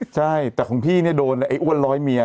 ใช่แต่ของพี่เนี่ยโดนไอ้อ้วนร้อยเมีย